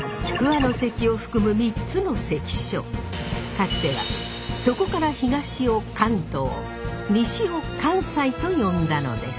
かつてはそこから東を関東西を関西と呼んだのです。